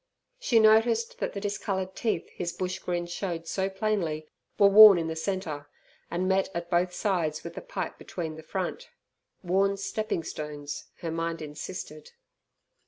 She noticed that the discoloured teeth his bush grin showed so plainly, were worn in the centre, and met at both sides with the pipe between the front. Worn stepping stones, her mind insisted.